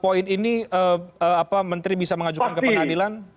poin ini menteri bisa mengajukan ke pengadilan